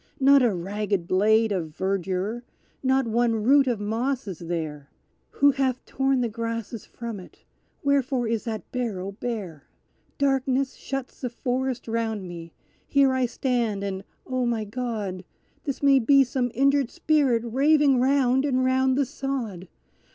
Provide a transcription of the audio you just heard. Not a ragged blade of verdure not one root of moss is there; Who hath torn the grasses from it wherefore is that barrow bare? Darkness shuts the forest round me. Here I stand and, O my God! This may be some injured spirit raving round and round the sod.